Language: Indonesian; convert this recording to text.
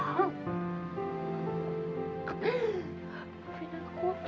tapi sekarang kamu nyaman di ibu kanu kamu sendiri